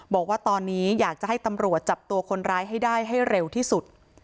บอกว่าตอนนี้อยากจะให้ตำรวจจับตัวคนร้ายให้ได้ให้เร็วที่สุด